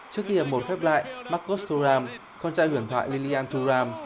trước khi hợp một khép lại marcos thuram con trai huyền thoại lilian thuram